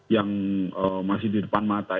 yang masih di depan mata